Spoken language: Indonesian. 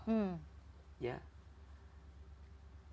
dan ini yang harus kita perbaiki gitu